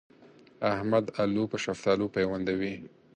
احمد الو په شفتالو پيوندوي.